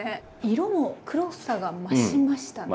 色も黒さが増しましたね。